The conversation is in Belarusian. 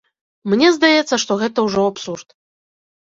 Мне здаецца, што гэта ўжо абсурд.